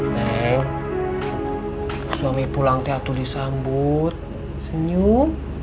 neng suami pulang tuh disambut senyum